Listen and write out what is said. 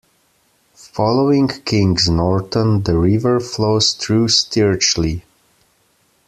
Following Kings Norton, the river flows through Stirchley.